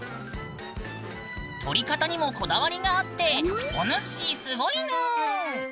撮り方にもこだわりがあっておぬっしすごいぬん。